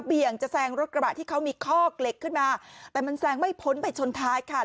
จะแซงรถกระบะที่เขามีคอกเหล็กขึ้นมาแต่มันแซงไม่พ้นไปชนท้ายค่ะ